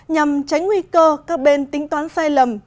nhằm tránh nguy cơ các bên tính toán sai lầm